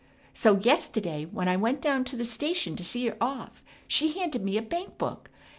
So yes'teddy when I went down to the station to see her off she handed me a bank book.